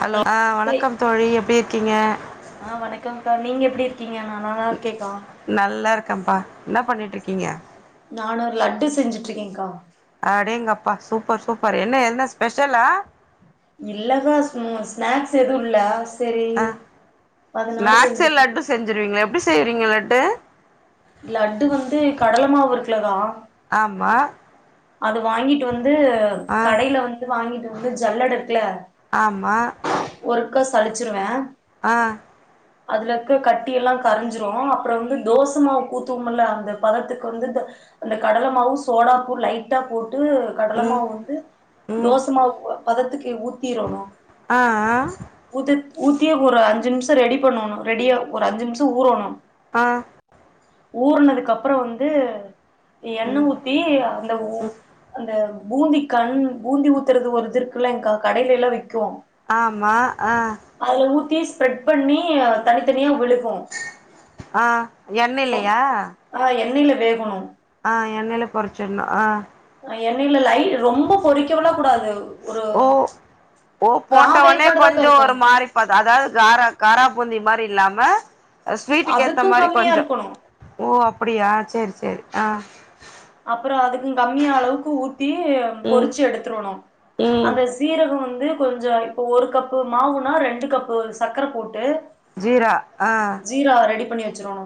Hello ஆ வணக்கம் தோழி எப்டி இருக்கீங்க ஆஹ் வணக்கம் கா நீங்க எப்டி இருக்கீங்க நா நல்லா இருகேக்கா நல்லா இருக்கன்ப்பா என்ன பண்ணிட்டு இருக்கீங்க நானு ஒரு லட்டு செஞ்சுட்ருக்கேகா அடேங்கப்பா சூப்பர் சூப்பர் என்ன என்ன ஸ்பெஷலா இல்லகா ம் ஸ்நாக்ஸ் எதுவு இல்ல செரி ஆ அதனால செஞ்சுட்டுருக்கே த்ருவீங்களா எப்டி செய்றீங்க லட்ட லட்டு வந்து கடலமாவு இருக்குலக்கா ஆமா அது வாங்கிட்டு வந்து ஆ கடையில வந்து வாங்கிட்டு வந்து ஜல்லட இருக்குல ஆமா ஒருக்கா சலிச்சிருவே ஆ அதுல இருக்க கட்டி எல்லா கரைஞ்சிரு அப்றொ வந்து தோசமாவ்க்கு ஊத்துவோம்ல அந்த பதத்துக்கு வந்து அந்த கடல மாவு சோடாப்பூ லைட் டா போட்டு ம் கடலமாவு வந்து ம் தோசமாவு பதத்துக்கு ஊத்திரோணு ஆ ஆ ஊத்திட் ஊத்தி ஒரு அஞ்சு நிம்ஷோ ரெடி பண்ணோணு ரெடியா ஒரு அஞ்சு நிம்ஷோ ஊறோணு ஆ ஊர்னதுக்கு அப்பற வந்து எண்ண‌ ஊத்தி அந்த உ த பூந்தி கண் பூந்தி ஊத்துறது ஒரு இது இருக்குல்லங்கா கடையில எல்லா விக்கு ஆமா அ அதுல ஊத்தி ஸ்ப்ரெட் பண்ணி தனித்தனியா விழு ஆ எண்ணெய்லயா ஆ எண்ணெயில வேகணும் ஆ எண்ணெய்ல பொரிச்சிடணும் ஆ எண்ணெய்ல லை ரொம்ப பொறிக்க விட கூடாது ஒரு ஓ ஓ கா போட்ட உனே வேக்காடுதாக்கா கொஞ்சம் ஒரு இருக்கணு மாறி அதாவது காரா காரா பூந்தி மாதிரி இல்லாம ஸ்வீட்டுக்கு ஏத்த அதுக்கு மாதிரி கம்மியா கொஞ்சம் இருக்கணு ஓ அப்டியா சேரி சேரி ஆ அப்றோ அதுக்கு கம்மியா அளவுக்கு ஊத்தி ம் பொறிச்சு எடுத்துரணும் ம் அந்த சீரகம் வந்து கொஞ்சம் இப்போ ஒரு கப்பு மாவுனா ரெண்டு கப்பு சக்கரை போட்டு ஜீரா ஆ ஜீரா வ ரெடி பண்ணி வச்சுரணு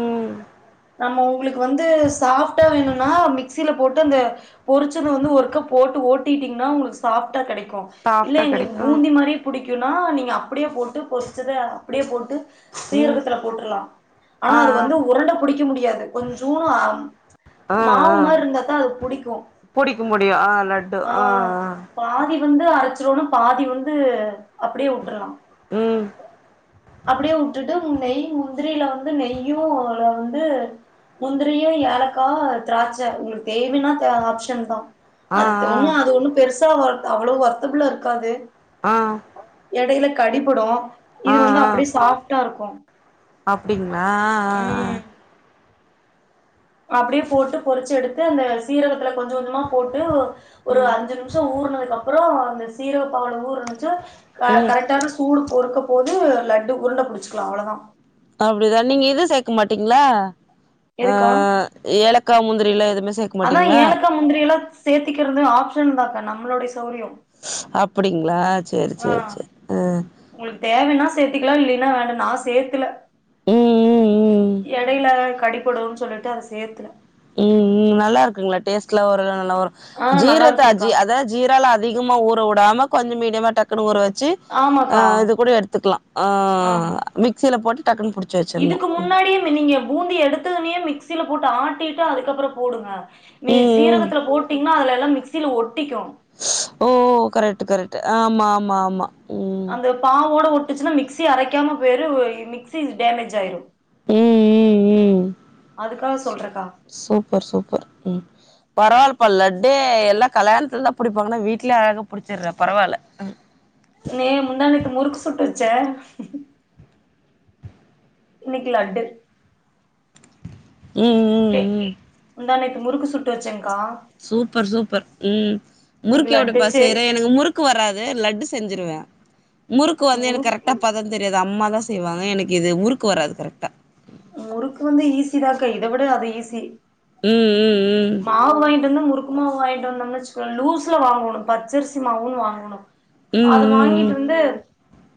ம் நாம்ம உங்களுக்கு வந்து சாஃப்டா வேணும்னா மிக்சியில போட்டு அந்த பொரிச்சத வந்து ஒரு கப் போட்டு ஓட்டிட்டீங்கன்னா ஓங்களுக்கு சாப்டா கெடைக் க்கு இல்ல சாஃப்டா எங்களுக்கு கெடைக்கு பூந்தி மாரியே புடிக்கும்னா நீங்க அப் அப்படியே போட்டு பொறிச்சத அப்படியே போட்டு ம் சீரகத்துல போட்டுலாம் ஆனா ஆ அது வந்து உருண்ட புடிக்க முடியாது கொஞ்சோன்னு ஆ ஆ மாவு ஆ மாரி இருந்தாதான் அது புடிக்கும் புடிக்க முடியு ஆ லட்டு ஆ ஆ பாதி வந்து அரைச்சிரோன்னு பாதி வந்து அப்டியே விட்டுரலாம் ம் அப்டியே விட்டுட்டு நெய் முந்திரியில வந்து நெய்யும் வந்து முந்திரியும் ஏலக் திராட்சை உங்களுக்கு தேவைனா ஆப்ஷன் தான் ஆ அது ஒண்ண அது ஒண்ணும் பெருசு ப்போ ஒர்த் அவ்ளவு ஓர்த்தப்புள்ள இருக்காது ஆ இடையில கடிபடும் இது ஆ வந்து ஆ அப்டியே சாஃப்டா இருக்கும் அப்டிங்களா ஆ ஆ ஆ உம் அப்டியே போட்டு பொறிச்சு எடுத்து அந்த சீரகத்துல கொஞ்சம் கொஞ்சமா போட்டு ஒரு ம் அஞ்சு நிமிஷம் கொஞ்சோ ஊறனதுக்கு அப்றோ அந்த சீரக பாலுல ஊறுச்ச ம் கரெக்டான சூடு ஒருக்க போது லட்டு உருண்ட புடிச்சக்கலாம் அவ்ளோதா அப்டிதா நீங்க இது சேக்க மாட்டீங்களா ஆ எதுக்கா ஏலக்காய் முந்திரிலாம் எதுவுமே சேக்க அதா மாட்டீங்களா ஏலக்கா முந்திரி எல்லாம் சேத்திக்கிறது ஆப்ஷன் தாங்க நம்மளுோடைய சௌரியம் அப்டிங்களா சேரி சேரி சேரி அ உங்களுக்கு தேவன்னா சேத்துக்லாம் இல்லைன்னா வேண்டா நா சேக்ல ம் ம் ம் இடைல கடிபடுனு சொல்லிட்டு அதை சேத்துரு உம் ம் நல்லா இருக்குங்ளா டேஸ்ட்லாம் வரும் நல்லா ஆ நல்லா இருக்குங்க்கா ஜீரக ஜீரால அதிகமா ஊற வுடாம கொஞ்சம் மீடியமா டக்குனு ஊற வச்சு ஆ ஆமாக்கா இது கூட எடுத்துக்லாம் ஆ ஆமா மிக்சில போட்டு டக்குனு பிடிச் இதுக்கு முன்னாடிய நீங்க பூந்தி எடுத்ததுமே மிக்சில போட்டு ஆட்டிட்டு அதுக்கப்றம் போடுங்க நீங் ம் ம் சீரகத்துல போட்டீங்னா அதுல எல்லா மிக்சில ஒட்டிக்கும் ஓ கரெக்ட் கரெக்ட் ஆமா ஆமா ஆமா உம் அந்த பாவோட ஒட்டுச்சுனா மிக்சி அரைக்காம போய்ரு மிக்சி டேமேஜ் ஆயிரும் ம் ம் ம் அதுக்காக சொல்றேக்கா சூப்பர் சூப்பர் உம் பரவாயில்லப்பா லட்டே எல்லாம் கல்யாணத்துல தான் புடிப்பாங்க வீட்லேய அழகா புடிச்சுட்றே பரவால்ல மே முந்தாணேத்து முறுக்கு சுட்டு வச்சே இன்னைக்கு லட்டு ம் ம் ம் முந்தாநேத்து முறுக்கு சுட்டு வெச்சேன்கா சூப்பர் சூப்பர் ம் இன்னைக்கு முறுக்கு லட்டு எப்டிபா சே செய்ற எனக்கு முறுக் கு வராது லட்டு செஞ்சிருவே முறுக்கு வந்து எனக் கரெக் முறுக்கு டா பதந் தெரியாது அம்மா தா செய்வாங்க எனக்கு இது முறுக்கு வராது கரெக்டா முறுக்கு வந்து ஈஸிதாக்கா. இத விட அது ஈஸி ம் ம் மாவு வாய்ன்ட் வந்து முறுக்கு மாவு வாய்ன்ட் வந்தோன் வெச்சிக்கோ லூஸ்ல வாங்கணு பச்சரிசி மாவுன் வாங்க ணு ம் அது ம் ம் வாங்கிட்டு வந்து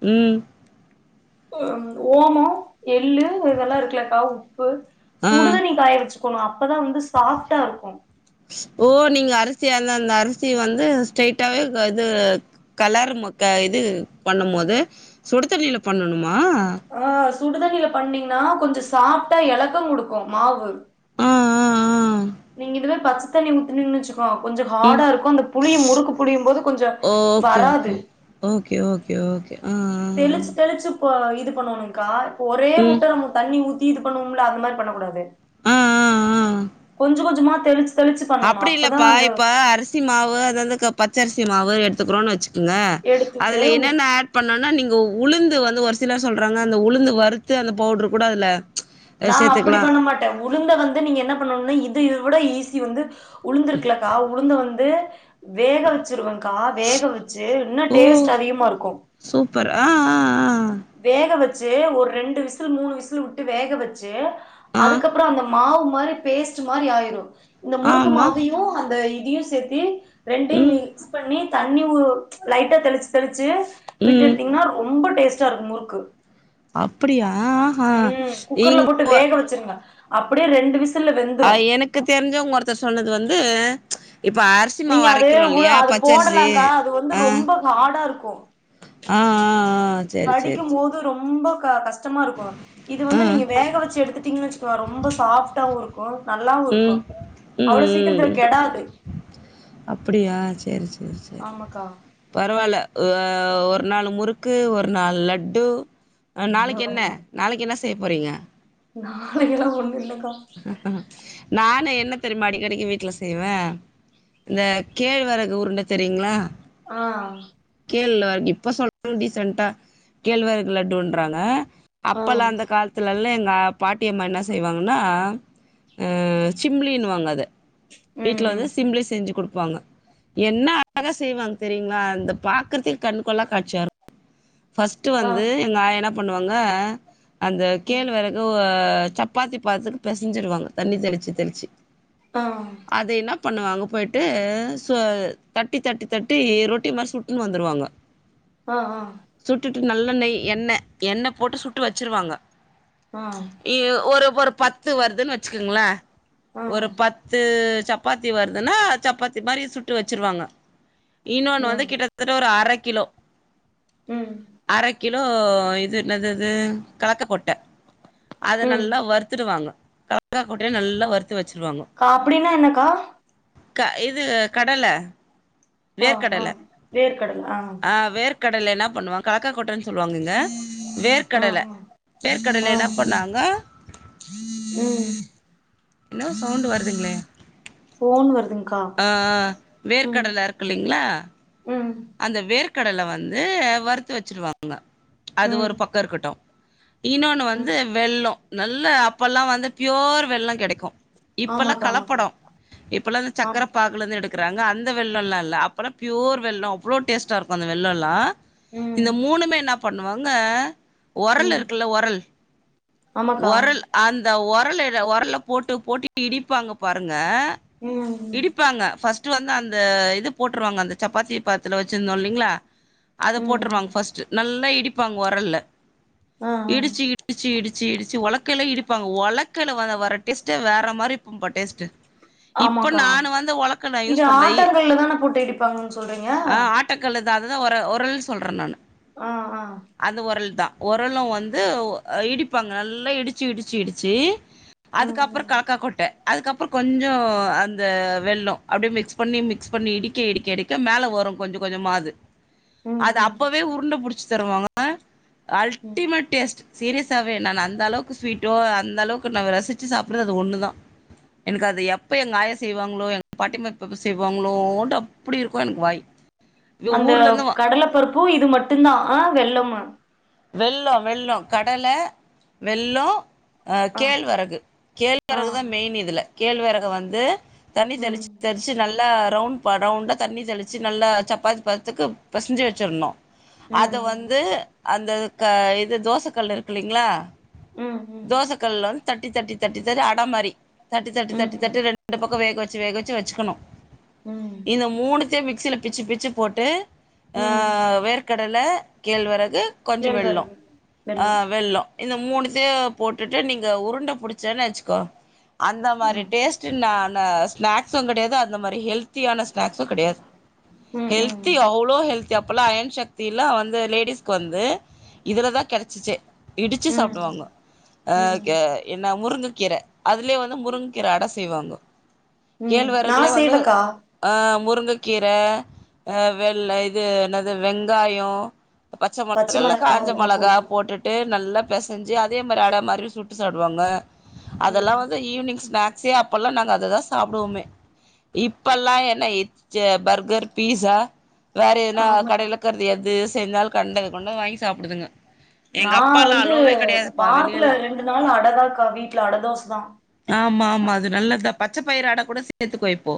ம் ம் ஒ ம் ஓமோ எள்ளு இதெல்லா இருக்குலக்கா உப்பு ஆ சுடுதண்ணி காய வெச்சு க்கணு அப்பதா வந்து சாஃப்டா இருக்கு ஓ நீங்க அரிசி அந்தந்த அரிசி வந்து ஸ்ட்ரைட்டாவே க இது கலர் மொக்க இது பண்ணும்மோது சுடுதண்ணில பண்ணணுமா ஆ சுடுதண்ணில பண்ணீங்னா கொஞ்சோ சாஃடா எலக்கங் குடுக்கு மாவு ஆ ஆ ஆ நீங் இதுவே பச்ச தண்ணி ஊத்துனீங்னு வெச்சு கோ கொஞ்சோ ம் ஹாடா இருக்கு அந்த புளிய முறுக்கு புளியும் போது கொஞ்ச ஓகே ஓகே வராது ஓகே ஓ கே ஓகே ஆ ஆ ஆ தெளிச்சு தெளிச்சு ப இது பண்ணனுன்கா இப்போ ஒரே ம் முட்ட நம்ம தண்ணி ஊத் தி இது பண்வோம்லா அந்த மாரி பண்ணக்கூடாது ஆ ஆ கொஞ்ச கொஞ்சமா தெளிச்சு தெளிச்சு பண்ணணு அப்படி அப்பதா இல்லப்பா அந்த இப்ப அரி சி மாவு இதெது க பச்சரிசி மாவு எடுத்துக்கிறோன் வெச்சுக்குங்க எடுத்துட்டு அதுல என்னென்ன ஆட் பண்ணனா நீங்க உளுந்து வந்து ஒரு சிலர் சொல்றாங்க அந்த உளுந்து வறுத்து அந்த பவுட்ரு கூட அதுல நா அப்படி சேத்துக்கலா பண்ண மாட்டே உளுந்த வந்து நீங்க என்ன பண்ணணுனா இது இதை விட ஈஸி வந்து உளுந்து இருக்குலக்கா உளுந்த வந்து வேக வெச்சிருவங்கா வேக வெச்சு இன்னு ஓ டேஸ்ட்டு அதிகமா இருக்கு சூப்பர் ஆ ஆ ஆ வேக வெச்சு ஒர் ரெண்டு விசில் மூணு விசில் உட்டு வேக வெச்சு ஆ ஆ அதுக்கப்புறோ அந்த மாவு மாரி பேஸ்ட்டு மாரி ஆயிரு இந்த முறுக்கு ஆமா மாவையு அந்த இதியு சேத்தி ரெண்டையு ம் மிக்ஸ் பண்ணி தண்ணீ ஊ லைட்டா தெளிச்சு தெளிச்சு விட் ம் எடுத்தீங்ன்னா ரொம்ப டேஸ்டா இருக்கு முறுக்கு அப்படியா ஆஹா இங்க வெச்சுருங்க அப்படியே ரெண்டு விசி அ எனக்கு தெரிஞ்சவங்க ஒருத்தர் சொன்னது வந்து இப்ப அரி சி மாவு நீங்க அது உள அரைக்கிறோல்லியா அது பச்சரிசி போடலாங்க்கா அது வந்து ஆ ரொம்ப ஹார்டா ஆ ஆ ஆ சேரி சேரி சேரி கடிக்குமோது ரொம்ப க கஷ் கஷ்டமா இருக்கு இது ஆ வந்து நீங்க வேக வெச்சு எடுத்துட்டீங்கன் வெச்சுக்கோ ரொம்ப சாஃப்டாவு இருக் கு நல்லாவு இருக்கு ம் ம் அவ்ளோ சீக்கிர்த்துல ம் கெடாது அப்படியா சேரி சேரி சேரி ஆமாக்கா பரவால்ல அ ஒரு நாளு முறுக்கு ஒரு நாள் லட்டு ஆ இங்க நாளைக்கு என்ன நாளைக்கென்ன செய்ய போறிங்க நாளைக்கெலா ஒண்ணு இல்லக்கா நானு என்ன தெரிமா அடிக்கடிக்கி வீட்ல செய்வே இந்த கேழ்வரகு உருண்ட தெரியுங்ளா ஆஹ் கேழ்ல இப்ப சொல்லு டீசன்டா கேழ்வரகு லட்டுன்றாங்க ஆ அப்பல்லா அந்த காலத்துலெல்லா எங்கா பாட்டியம்மா என்ன செய்வாங்கன்னா ஆஹ் அ சிம்ளீன்னு வாங்க அத ம் வீட்ல வந்து ம் சிம்ப்ளி செஞ்சி குடுப்பாங்க என்ன அழகா செய்வாங் தெரியுங்ளா அந்த பாக்கற்தேக் கண்கொள்ளா காட்சியாருக் ஃபஸ்ட்டு ஆ வந்து எங்க ஆயா என்ன பண்ணுவாங்க அந்த கேழ்வெரக் டோவ சப்பாத்தி பதத்துக்கு பெசஞ்சிருவாங்க தண்ணி தெளிச்சி தெளிச்சி ஆ ஆ அத என்னா பண்ணுவாங்க பொயிட்டூ சொ தட்டி தட்டி தட்டி ரொட்டி மார் சுட்னு வந்துருவாங்க ஆ ஆஹ் சுட்டுட்டு நல்ல நெய் எண்ணெ எண்ணெ போட்டு சுட்டு வச்சிருவாங்க ஆஹ் ஈயொ ஒரு ஒரு பத்து வருதுன் வச்சுக்குங்ளே ஆ ஒரு பத்தூ சப் பாத்தி வருதுனா சப்பாத்தி மாரி சுட்டு வச்சிருவாங்க இன்னோனு வந்து ம் கிட்ட தட்ட ஒரு அரக்கிலோ ம் அரைக் கிலோ இது என்னதது கலத்த கொட்ட அத ம் நல்லா வறுத்துடுவாங்க கலக்கா கொட்டைய நல்லா வறுத்து வச்சிருவாங்க கா அப்டின்னா என்னக்கா க இது கடல ஆ ஆ வேர்க்கடல வேர்க்கடல ஆ ஆஹ் வேர்க்கடல என்னாப் பண்ணுவாங் கலக்கா கொட்டன் சொல்லுவாங்க இங்க ஆ வேர்க்கடல ஆ ஆ வேர்க்கடலையென்னாப் பண்ணாங்க ம் என்னோ சவுண்டு வருதுங்களே போன் வருதுங்க்கா ஆ ம் வேர்க்கடல இருக்கு இல்லைங்களா உம் அந்த வேர்க்கடல வந்தூ வறுத்து வச்சிருவாங்க அது ம் ஒரு பக்கொ இருக்கட்டு இன்னோன்னு ம் வந்து வெள்ளோ நல்ல அப்பெல்லா வந்து பியோர் வெள்ளொ கெடைக்கூ இப்பெல்லா ஆமாக்கா ஆமாக்கா கலப்படோ இப்பெல்லா இந்த ஆ சக்கர பாக் குலந்து எடுக்குறாங்க அந்த வெள்ளொல்லா இல்ல அப்பொலா பியூர் வெள்ளொ அவ்ளோ டேஸ்டா இருக்கு அந்த வெள்ளொல்லா ம் இந்த மூணுமே என்னாப் பண்ணுவாங்க ம் ஒரலிருக்குல ஒரல் ஆமாக்கா ஒரல் அந்த ஒரலெடு ஒரல போட்டு போட்டு இடிப்பாங்க பாருங்க ம் இடிப்பாங்க ஃபஸ்ட்டு வந்து அந்த இது போட்ருவாங்க அந்த சப்பாத்தி பத்துல வச்சிந்தோ இல்லைங்ளா அத ம் ம் போட்ருவாங்க ஃபர்ஸ்ட்டு நல்லா இடிப்பாங்க ஒரல்ல ஆ ஆ இடிச்சி இ இடிச்சி இடிச்சி இடிச்சி ஒலக்கைல இடிப்பாங்க ஒலக்கைல வல வர டேஸ்ட்டே வேற மாரி இப்பா டேஸ்ட்டு இப்ப ஆமாக்கா நானு வந்து ஒலக்கல்ல இது யூஸ் பண்றே இ ஆட்டாங்கல்ல தான போட்டு இடிப்பாங்கன் சொல்றிங்க டக்கல்லுதா அதுதா ஒர ஒரல் சொல்ற நானு ஆஹ் ஆ அது ஒரல்தா ஒரலூ வந்துவ் இடிப்பாங்க நல்லா இடிச்சி இடிச்சி இடிச்சி ம் அதுக்கப்றொ ம் கலக்கா கொட்ட அதுக்கப்றொ கொஞ்சோ அந்த வெள்ளொ அப்டியே மிக்ஸ் பண்ணி மிக்ஸ் பண்ணி இடிக்க இடிக்க இடிக்க மேல வரு கொஞ்ச கொஞ்சமாது ம் அது ம் அப்பவே உருண்ட புடிச்சி தருவாங்க ம் அல்ட்டிமேட் டேஸ்ட் சீரியஸாவே நானந்த அளவுக்கு ஸ்வீட்டோ அந்த அளவுக்கு நா ரசிச்சி சாப்புறதது ஒண்ணுதா எனக்கு அது எப்போ எங்க ஆய செய்வாங்களோ எங்க பாட்டிமப்ப எப்போ செய்வாங்களோ அப்டி இருக்கு எனக்கு வாய் இ அந்த ஊர்ல இருந்து கடல பருப்பு இது மட்டு தா அ வெள்ளமு வெள்ளோ வெள்ளோ கடல வெள்ளோ அ ஆ கேழ்வரகு ஆ கேழ்வரகுதா மெயின் இதுல கேழ்வரகு வந்து தண்ணி ம் தெளிச்சு தெளிச்சு நல்லா ரவுண்ட் ரவுண்டா தண்ணி தெளிச்சு நல்லா சப்பாத்தி பதத்துக்கு பெசஞ்சு வச்சிர்னு ம் அத வந்து அந்த இது தோச கல்லு இருக்குல்லைங்ளா ம் ம் தோச கல்ல தட்டி தட்டி தட்டி அட மாரி தட்டி தட்டி ம் ம் தட்டி ரெண்டு பக்கமு வேக வச்சு வேக வச்சு வச்சுக்குணு ம் மூணுத்தயு மிக்சியில பிச்சு பிச்சு போட்டு அ ம் வேர் வேர்க்கடல கேழ்வறகு கொஞ்சோ வெள்ளோ கேழ்வரகு அ வெல்லம் வெள்ளோ இந்த மூணுத்தையு போட்டுட்டு நீங்க உருண்ட புடிச்சேன்னு வச்சுக்கோ அந்த மாரி ம் டேஸ்ட்டு நா நா ஸ்நாக்ஸு கெடையாது அந்த மாரி ஹெல்த் ருசியான ஸ்நாக்ஸு கெடையாது ம் ம் ஹெல்த் ஹெல்தி அவ்ளோ ஹெல்தி அப்போல்லா அயன் சக்தி இல்ல வந்து லேடிஸ்க்கு வந்து இதுல தா கெடைச்சிச்சே இடிச்சு ம் சாப்டுவாங்க அ ம் என்ன முருங்கக்கீர அதுலியே வந்து முருங்கக்கீர அடை செய்வாங்க ம் நா கேழ்வரக்லே வந்து செய்வேக்கா அ முருங்கக்கீர வெள்ள இது என்னது வெங்காயோ பச்ச இல்ல மொளகா காஞ்ச அதெல்லா மொளகா போட்டு போட்டுட் நல்லா பெசஞ்சி அதே மாரி அட மாரி சுட்டு சாப்டுவாங்க அதெல்லா ம் வந்து ஈவ்னிங் ஸ்னாக் வே அப்பெல்லா நாங்க அததா சாப்டுவோமே இப்பெல்லா என்ன இச் பர்கர் பீஸா வேற எதுனா ஆமாக்கா கடைலக்றது எது செஞ்சாலு கண்டத கொண்டத வாங்கி சாப்டுதுங்க எங்க நா அப்பாலா வந்து அலோவே கெடையாதுப்பா வாரத்ல வெளியலா ரெண்டு நாள் அடதாக்கா வீட்ல அட தோசதா ஆமா ஆமா அது நல்லதா பச்ச பயிறு அட கூட சேத்துக்கோ இப்போ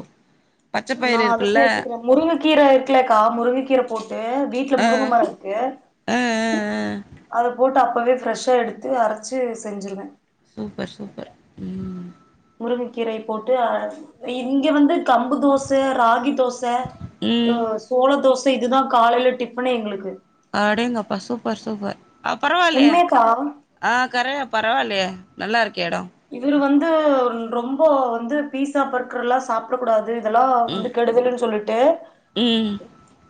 பச்ச நா பயிறு அத இருக்குல்ல. சேத்துக்றே முருங்கக்கீர இருக்லக்கா முருங்கக்கீர போட்டு வீட்ல ஆ. முருங்க மரோ இருக்கு ஆ, ஆ, ஆ. அத போட்டு அப்பவே பிரஷ்சா எடுத்து அரச்சு செஞ்சுருவே சூப்பர் சூப்பர் ம் முருங்கக்கீரைய போட்டு அர இங்க வந்து கம்பு தோச ராகி தோச அ ம். சோள தோச இதுதா காலையில டிஃபனே எங்ளுக்கு அடேங்கப்பா சூப்பர் சூப்பர் உண்மையாக்கா அ கரைய பரவால்லையே நல்லா இருக்கே எடோ இவுரு வந்து ரொம்ப வந்து பீஸா பர்கர் எல்லா சாப் ட கூடாது இதெல்லா ம். வந்து கெடுதுலன்னு சொல்லிட்டு ம்.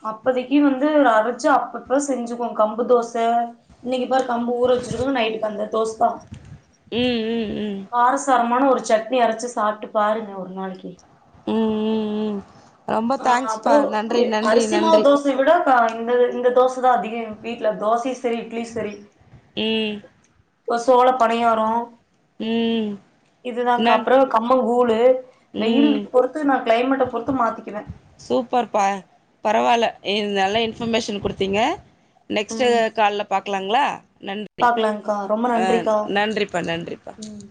அப்போதைக்கு வந்து ஒரு அரச்சு அப்பப்ப செஞ்சுக்குவோ கம்பு தோச இன்னைக்கு பாரு கம்ப ஊர வச்சிருக்க நைட்டுக்கு வந்த தோசதா ம் ம் ம் காரசாரமான ஒரு சட்னி அரச்சி சாப்ட்டு பாருங்க ஒரு நாளைக்கு ம் ம் ம் ரொம்ப அ தேங்க்ஸ்ப்பா. அப்றோ நன்றி, நன்றி, அரிசி மாவு நன்றி. தோச இத விட இந்த இந்த தோச தா அதிகோ வீட்ல தோசையு சரி இட்லியு சரி ம் ஒரு சோள பணியாரோ ம். இதுதா நன் அப்புறம் கம்மங்கூழு வெயில் ம். பொறுத்து நா கிளைமேட்ட பொறுத்து மாத்திக் சூப்பர்ப்பா பரவாயில்ல இது நல்ல இன்ஃபர்மேஷன் குடுத்தீங்க நெக்ஸ்ட்டு ம் கால்ல பாக்கலாங்களா நன் றி பாக்கலாங்க்கா ரொம்ப ஆ நன்றிக்கா நன்றிப்பா நன்றிப்பா ம்